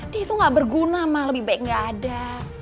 dia tuh gak berguna mah lebih baik gak ada